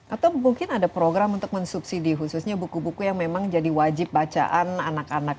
atau mungkin ada program untuk mensubsidi khususnya buku buku yang memang jadi wajib bacaan anak anak